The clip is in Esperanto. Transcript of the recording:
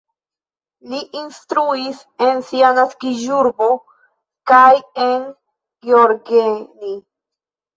Li instruis en sia naskiĝurbo kaj en Gheorgheni.